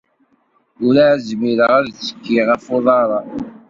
Urɛad zmireɣ ad ttekkiɣ ɣef uḍar-a.